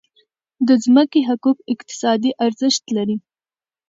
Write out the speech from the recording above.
د ځمکې حقوق اقتصادي ارزښت لري.